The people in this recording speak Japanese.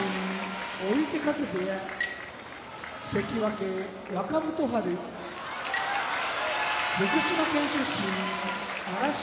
追手風部屋関脇・若元春福島県出身荒汐